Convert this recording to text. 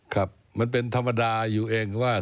ครับมันเป็นธรรมดาอยู่เองว่า